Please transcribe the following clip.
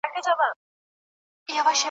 یا له ستایلو د ښکلیو سوړ یم `